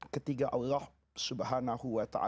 ketiga allah swt